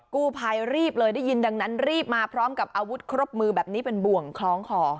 กู้ภัยรีบเลยได้ยินดังนั้นรีบมาพร้อมกับอาวุธครบมือแบบนี้เป็นบ่วงคล้องคอ